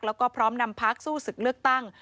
แล้วก็พร้อมนำพักสู้ศึกเลือกตั้ง